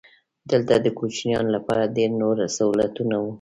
دلته د کوچیانو لپاره ډېر نور سهولتونه وو.